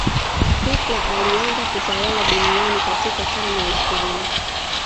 hitler alianza kutawala duniani katika karne ya ishirini